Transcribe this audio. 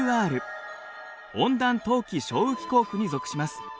温暖冬季少雨気候区に属します。